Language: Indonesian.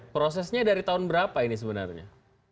prosesnya dari tahun berapa ini sebenarnya